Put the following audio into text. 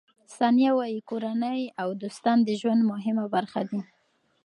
ثانیه وايي، کورنۍ او دوستان د ژوند مهمه برخه دي.